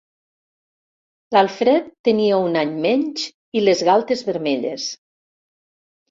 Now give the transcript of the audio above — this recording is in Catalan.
L'Alfred tenia un any menys i les galtes vermelles.